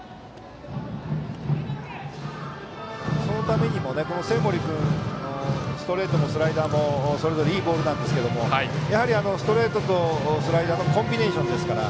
そのためにも、生盛君のストレートもスライダーもそれぞれいいボールですがストレートとスライダーのコンビネーションですから。